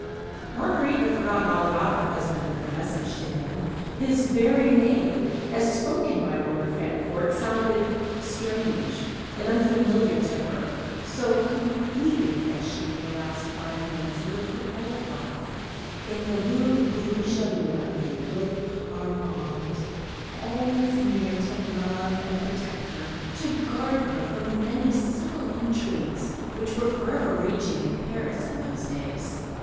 ." Marguerite had forgotten all about her husband and her message to him; his very name, as spoken by Lord Fancourt, sounded strange and unfamiliar to her, so completely had she in the last five minutes lived her old life in the Rue de Richelieu again, with Armand always near her to love and protect her, to guard her from the many subtle intrigues which were forever raging in Paris in those days.